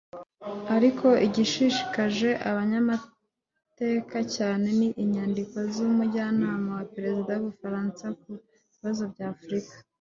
ariko igishishikaje abanyamateka cyane ni inyandiko z’umujyanama wa Perezida w’u Bufaransa ku bibazo by’Afrika